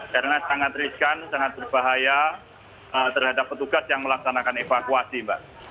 karena sangat riskan sangat berbahaya terhadap petugas yang melaksanakan evakuasi mbak